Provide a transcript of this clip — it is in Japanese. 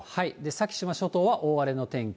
先島諸島は大荒れの天気。